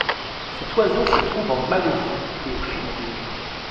Cet oiseau se trouve en Malaisie et aux Philippines.